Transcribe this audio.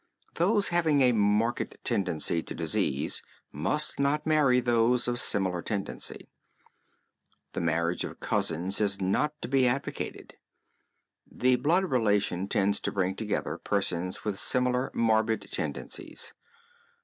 Those having a marked tendency to disease must not marry those of similar tendency. The marriage of cousins is not to be advocated. The blood relation tends to bring together persons with similar morbid tendencies.